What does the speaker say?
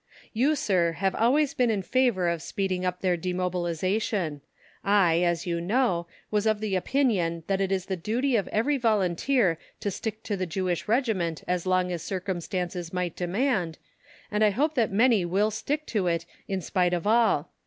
You, Sir, have always been in favour of speeding up their demobilization; I, as you know, was of the opinion that it is the duty of every volunteer to stick to the Jewish Regiment as long as circumstances might demand, and I still hope that many will stick to it in spite of all.